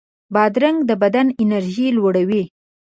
بادرنګ د بدن انرژي لوړوي.